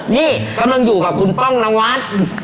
นี่กำลังอยู่กับคุณป้องนวัด